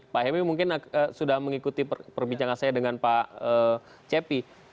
pak hemi mungkin sudah mengikuti perbincangan saya dengan pak cepi